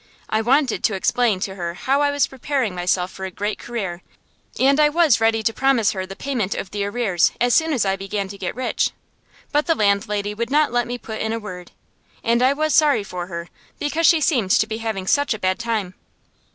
I wanted to explain to her how I was preparing myself for a great career, and I was ready to promise her the payment of the arrears as soon as I began to get rich. But the landlady would not let me put in a word. And I was sorry for her, because she seemed to be having such a bad time.